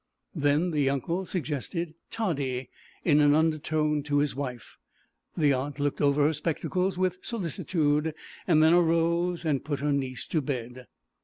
Then the uncle suggested toddy in an undertone to his wife. The aunt looked over her spectacles with solicitude, and then arose and put her niece to bed.